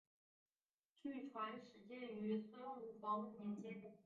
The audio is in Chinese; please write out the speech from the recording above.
据传始建于孙吴黄武年间。